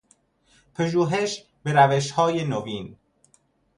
پژوهش به روشهای نوین